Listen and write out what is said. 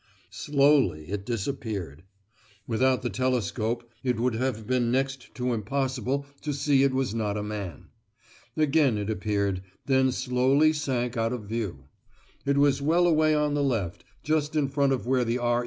Slowly it disappeared. Without the telescope it would have been next to impossible to see it was not a man. Again it appeared, then slowly sank out of view. It was well away on the left, just in front of where the "R.